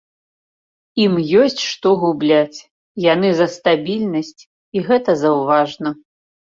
Ім ёсць што губляць, яны за стабільнасць, і гэта заўважна.